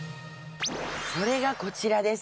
それがこちらです。